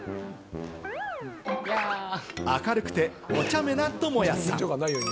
明るくておちゃめなトモヤさん。